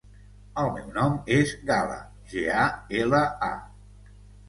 El meu nom és Gala: ge, a, ela, a.